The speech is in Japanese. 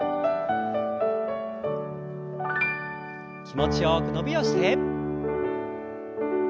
気持ちよく伸びをして。